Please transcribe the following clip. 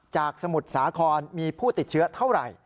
สมุทรสาครมีผู้ติดเชื้อเท่าไหร่